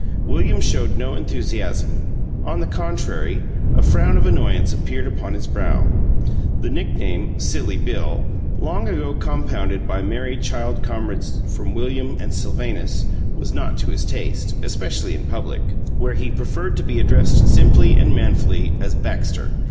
William showed no enthusiasm; on the contrary, a frown of annoyance appeared upon his brow. The nickname "Silly Bill" long ago compounded by merry child comrades from "William" and "Sylvanus" was not to his taste, especially in public, where he preferred to be addressed simply and manfully as "Baxter."